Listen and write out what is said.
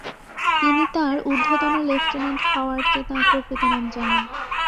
তিনি তাঁর ঊর্ধ্বতন লেফটেনেন্ট হাওয়ার্ড কে তাঁর প্রকৃত নাম জানান।